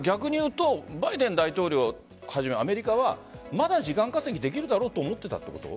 バイデン大統領始めアメリカはまだ時間稼ぎできるだろうと思っていたところと。